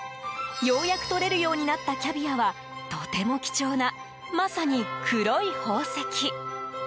ようやくとれるようになったキャビアはとても貴重な、まさに黒い宝石。